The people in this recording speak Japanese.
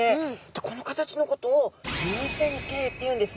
でこの形のことを流線形っていうんですね。